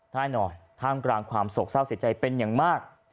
แน่นอนท่ามกลางความโศกเศร้าเสียใจเป็นอย่างมาก